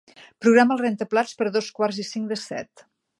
Programa el rentaplats per a dos quarts i cinc de set.